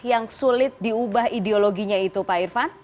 yang sulit diubah ideologinya itu pak irfan